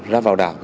ra vào đảo